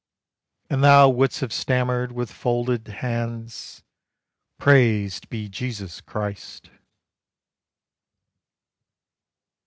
And thou wouldst have stammered with folded hands, "Praised be Jesus Christ!"